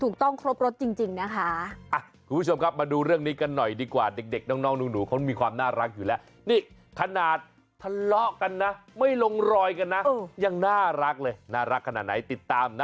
คงเคลียร์คงคุยกันได้นะคะ